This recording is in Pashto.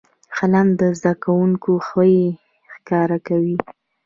قلم د زده کوونکو خوی ښکاره کوي